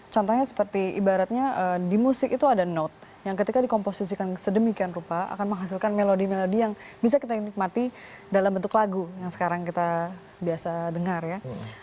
contohnya seperti ibaratnya di musik itu ada note yang ketika dikomposisikan sedemikian rupa akan menghasilkan melodi melodi yang bisa kita nikmati dalam bentuk lagu yang sekarang kita biasa dengar ya